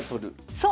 そう！